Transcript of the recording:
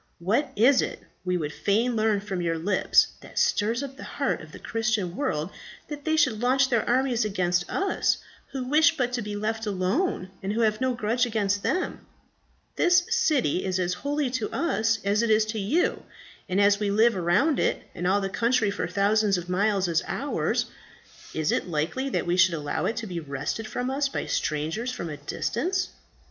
What is it, we would fain learn from your lips, that stirs up the heart of the Christian world that they should launch their armies against us, who wish but to be left alone, and who have no grudge against them? This city is as holy to us as it is to you; and as we live around it, and all the country for thousands of miles is ours, is it likely that we should allow it to be wrested from us by strangers from a distance?"